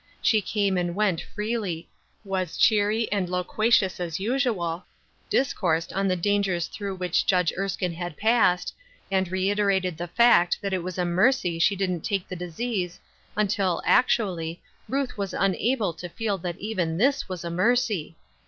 She came and went freely ; was cheery and loqua cious, as usual ; discoursed on the dangers through which Judge Erskine had passed, and reiterated the fact that it was a mercy she didn't take the disease, until, actually, Ruth was unable £0 feel that even this was a mercy